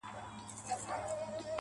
دلته اوسم.